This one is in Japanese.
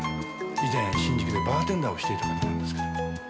以前新宿でバーテンダーをしていた方なんですけど。